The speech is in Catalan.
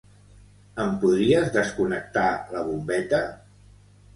Em podries desconnectar la bombeta?